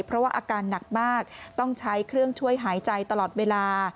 เพราะว่าอาการหนักมากต้องใช้เครื่องช่วยหายใจตลอดเวลา